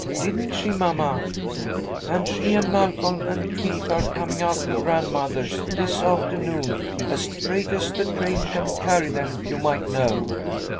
Didn't she, mamma? And she and Malcolm and Keith are coming out to grandmother's this afternoon as straight as the train can carry them, you might know.